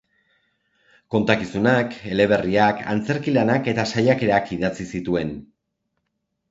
Kontakizunak, eleberriak, antzerki-lanak eta saiakerak idatzi zituen.